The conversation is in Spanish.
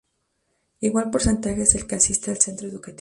Igual porcentaje es el que asiste al Centro Educativo.